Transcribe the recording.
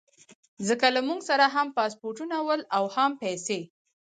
ځکه له موږ سره هم پاسپورټونه ول او هم پیسې.